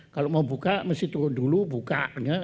kalau mau buka mesti turun dulu buka